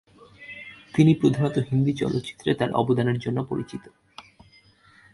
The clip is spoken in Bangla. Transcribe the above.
তিনি প্রধানত হিন্দি চলচ্চিত্রে তার অবদানের জন্য পরিচিত।